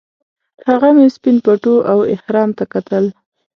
هغه مې سپین پټو او احرام ته کتل.